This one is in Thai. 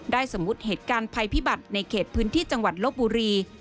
สมมุติเหตุการณ์ภัยพิบัติในเขตพื้นที่จังหวัดลบบุรี